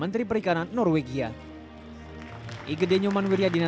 di perikanan norwegia